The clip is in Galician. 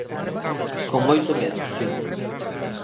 Con moito medo, si...